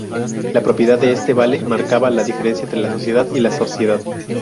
La propiedad de este vale marcaba la diferencia entre la sociedad y la Sociedad.